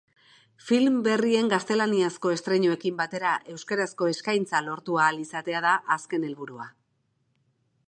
Film berrien gaztelaniazko estreinuekin batera euskarazko eskaintza lortu ahal izatea da azken helburua.